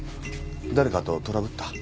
誰かとトラブった？